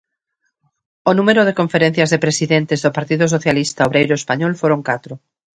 O número de conferencias de presidentes do Partido Socialista Obreiro Español foron catro.